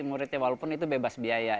muridnya walaupun itu bebas biaya